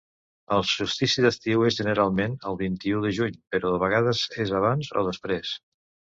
El solstici d'estiu és generalment el vint-i-ú de juny, però de vegades és abans o després.